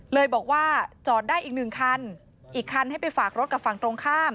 เลยบอกว่าจอดได้อีกหนึ่งคันอีกคันให้ไปฝากรถกับฝั่งตรงข้าม